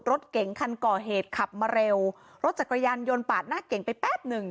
รถเก๋งคันก่อเหตุขับมาเร็วรถจักรยานยนต์ปาดหน้าเก่งไปแป๊บหนึ่ง